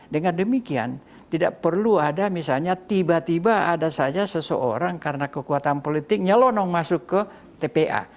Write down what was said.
dengan demikian tidak perlu ada misalnya tiba tiba ada saja seseorang karena kekuatan politiknya lonong masuk ke tpa